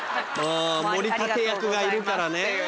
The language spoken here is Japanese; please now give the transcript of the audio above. もり立て役がいるからね。